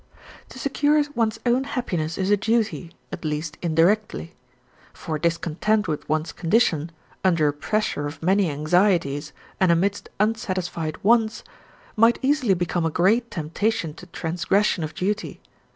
To secure one's own happiness is a duty, at least indirectly; for discontent with one's condition, under a pressure of many anxieties and amidst unsatisfied wants, might easily become a great temptation to transgression of duty.